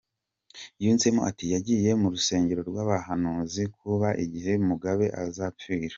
Yunzemo ati "Yagiye mu rusengero rw’ abahanuzi kubaza igihe Mugabe azapfira.